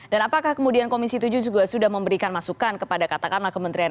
dan apakah kemudian komisi tujuh sudah memberikan masukan kepada katakan alkementerian